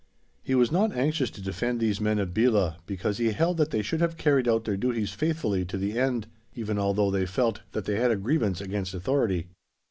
He was not anxious to defend these men of Belah because he held that they should have carried out their duties faithfully to the end, even although they felt that they had a grievance against authority.